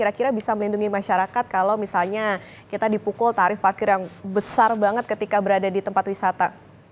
kira kira bisa melindungi masyarakat kalau misalnya kita dipukul tarif parkir yang besar banget ketika berada di tempat wisata